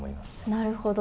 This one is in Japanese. なるほど。